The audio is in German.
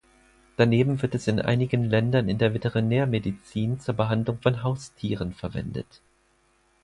Daneben wird es in einigen Ländern in der Veterinärmedizin zur Behandlung von Haustieren verwendet.